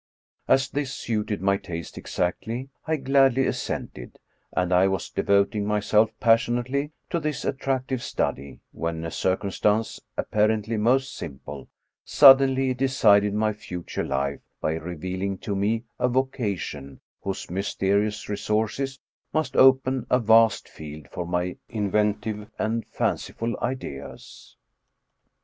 As this suited my taste exactly, I gladly assented, and I was devoting myself passionately to this attractive study, when a circumstance, apparently most simple, suddenly de cided my future life by revealing to me a vocation whose mysterious resources must open a vast field for my in ventive and fanciful ideas.